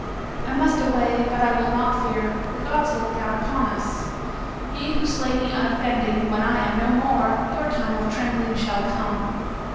I must away, but I will not fear. The gods look down upon us. Ye who slay me unoffending, when I am no more, your time of trembling shall come.